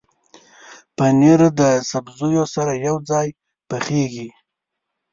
پنېر د سبزیو سره یوځای پخېږي.